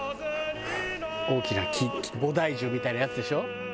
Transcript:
大きな木菩提樹みたいなやつでしょ？